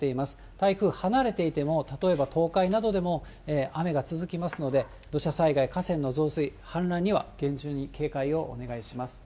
台風離れていても、例えば東海などでも雨が続きますので、土砂災害、河川の増水、氾濫には厳重に警戒をお願いします。